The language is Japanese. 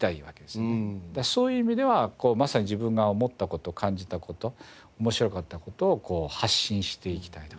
そういう意味ではまさに自分が思った事感じた事面白かった事を発信していきたい。